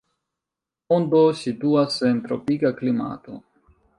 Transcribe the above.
Ondo situas en tropika klimato.